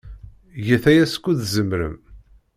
Get aya skud tzemrem.